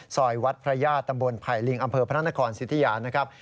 ซอยวัดพระญาติตำบลไผ่ลิงอำเภอพระนครสิทธิยานะครับ